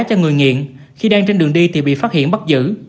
cho người nghiện khi đang trên đường đi thì bị phát hiện bắt giữ